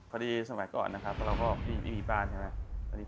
สมัยก่อนนะครับเราก็ไม่มีบ้านใช่ไหม